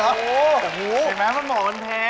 เห็นไหมคุณหมอมันแพ้คุณหมอมันแพ้